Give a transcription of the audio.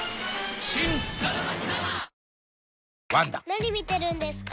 ・何見てるんですか？